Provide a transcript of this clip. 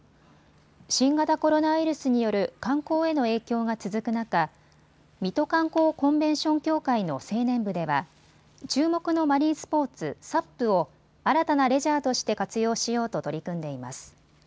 新型コロナウイルスによる観光への影響が続く中、水戸観光コンベンション協会の青年部では注目のマリンスポーツ、ＳＵＰを新たなレジャーとして活用しようと取り組んでいます。